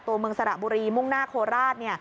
ตัวเมืองสระบุรีมุ่งหน้าโคราช